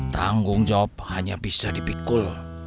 tanggung jawab hanya bisa dipikul